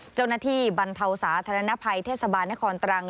เจ้าหน้าที่บรรเทาสาธารณภัยเทศบาลนครตรัง